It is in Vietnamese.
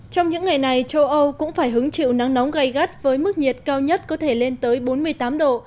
trong những ngày này châu âu cũng phải hứng chịu nắng nóng gây gắt với mức nhiệt cao nhất có thể lên tới bốn mươi tám độ